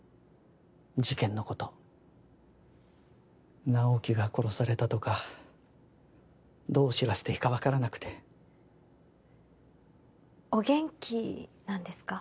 事件のこと直木が殺されたとかどう知らせていいか分からなくてお元気なんですか？